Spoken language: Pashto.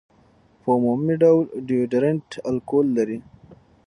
په عمومي ډول ډیوډرنټ الکول لري.